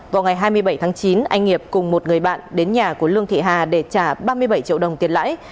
vào ngày hai mươi bảy tháng chín anh nghiệp cùng một người bạn đến nhà của lương thị hà để trả ba mươi bảy triệu đồng tiền lãi